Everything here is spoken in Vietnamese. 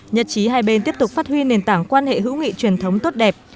nhật chí hai bên tiếp tục phát huy nền tảng quan hệ hữu nghị truyền thống tốt đẹp